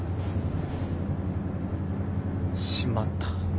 しまった。